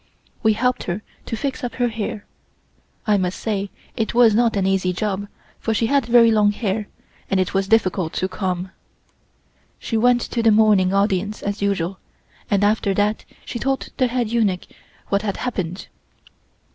We helped her to fix up her hair. I must say it was not an easy job, for she had very long hair and it was difficult to comb. She went to the morning audience, as usual, and after that she told the head eunuch what had happened.